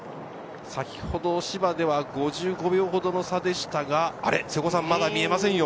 先ほど芝では５５秒ほどの差でしたが、瀬古さん、まだ見えませんよ。